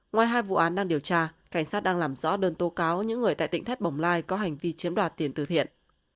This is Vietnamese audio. ngoài hai vụ án đang điều tra cảnh sát đang làm rõ đơn tố cáo những người tại tỉnh thép bồng lai có hành vi chiếm đoạt tiền tử thiện